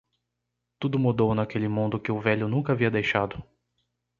Tudo mudou naquele mundo que o velho nunca havia deixado.